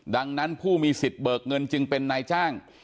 ดังนั้นผู้มีสิทธิ์เบิกเงินจึงเป็นนายจ้าง